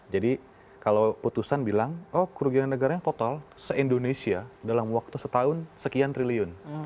jadi kalau putusan bilang oh kerugian negaranya total se indonesia dalam waktu setahun sekian triliun